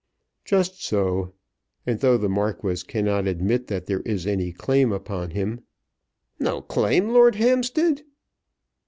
"Just so; and though the Marquis cannot admit that there is any claim upon him " "No claim, Lord Hampstead!"